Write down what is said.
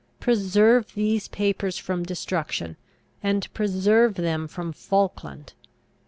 Preserve these papers from destruction, and preserve them from Falkland!